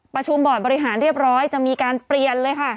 บอร์ดบริหารเรียบร้อยจะมีการเปลี่ยนเลยค่ะ